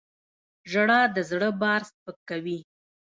• ژړا د زړه بار سپکوي.